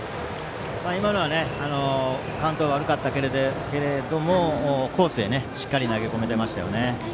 今のはカウントが悪かったけれどもコースにしっかり投げ込めていましたね。